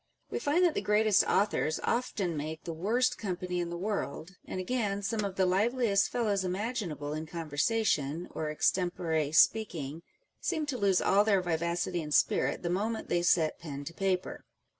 We find that the greatest authors often make the worst company in the world ; and again, some of the liveliest fellows imaginable in con versation or extempore speaking, seem to lose all their vivacity and spirit the moment they set pen to paper.